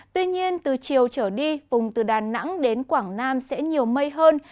tuy nhiên từ chiều trở đi vùng từ đà nẵng đến quảng nam sẽ nhiều mây hơn